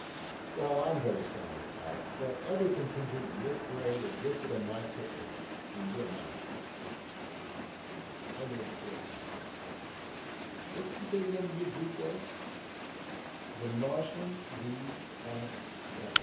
"Well, I'm very sorry, pal, but every contingent in this parade is listed on my clipboard and you're not. I know this list by heart. What did you say the name of your group was?" "The Martian V.